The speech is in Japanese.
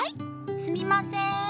・すみません。